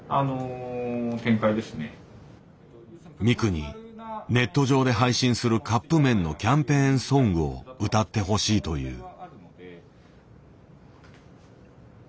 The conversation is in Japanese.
ミクにネット上で配信するカップ麺のキャンペーンソングを歌ってほしいという。